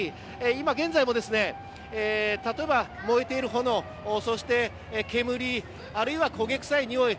今現在も燃えている炎、そして煙あるいは焦げ臭いにおい